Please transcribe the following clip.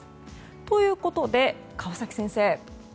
ということで、川崎先生